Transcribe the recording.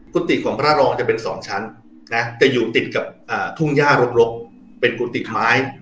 กุฏิของพระรองจะเป็น๒ชั้นนะจะอยู่ติดกับทุ่งย่ารกเป็นกุฏิไม้